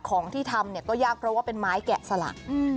ของที่ทำเนี่ยก็ยากเพราะว่าเป็นไม้แกะสลัก